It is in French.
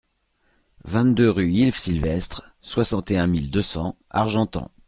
vingt-deux rue Yves Silvestre, soixante et un mille deux cents Argentan